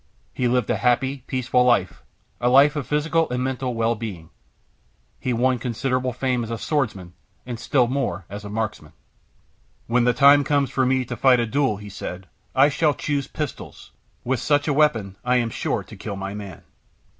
He lived a happy, peaceful life a life of physical and mental well being. He had won considerable fame as a swordsman, and still more as a marksman. "When the time comes for me to fight a duel," he said, "I shall choose pistols. With such a weapon I am sure to kill my man."